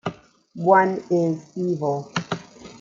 One is evil.